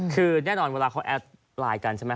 คือแน่นอนเวลาเขาแอดไลน์กันใช่ไหม